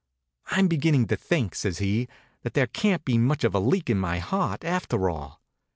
"I'm beginning to think," says he, "that there can't be much of a leak in my heart, after all.